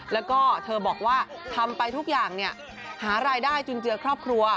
แล้วก็เธอบอกว่าทำไปทุกอย่างหารายได้จุนเจือครอบครัว